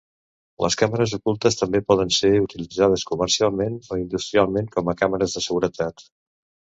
Les càmeres ocultes també poden ser utilitzades comercialment o industrialment com a càmeres de seguretat.